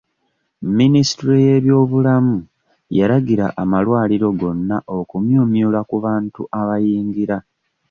Minisitule y'eby'obulamu yalagira amalwaliro gonna okumyumyula ku bantu abayingira.